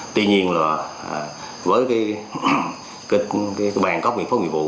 tuy nhiên là với cái bàn cóc nghiệp pháp nghiệp vụ